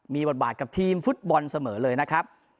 มีบทบาทกับทีมฟุตบอลเสมอเลยนะครับ